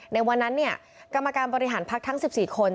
ในวันนั้นกรรมการบริหารพักทั้ง๑๔คน